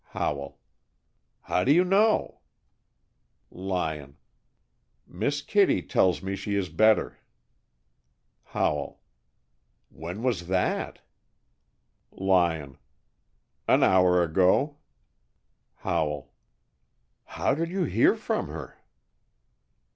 Howell: "How do you know?" Lyon: "Miss Kittie tells me she is better." Howell: "When was that?" Lyon: "An hour ago." Howell: "How did you hear from her?"